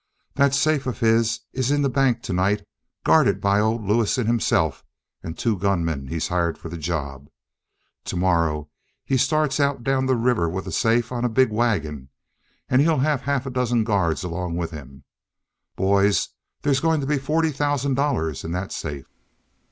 That safe of his is in the bank tonight, guarded by old Lewison himself and two gunmen he's hired for the job. Tomorrow he starts out down the river with the safe on a big wagon, and he'll have half a dozen guards along with him. Boys, they's going to be forty thousand dollars in that safe!